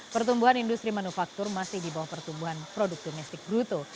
pertumbuhan industri manufaktur masih di bawah pertumbuhan produk domestik bruto